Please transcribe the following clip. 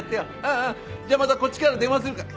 じゃあまたこっちから電話するから。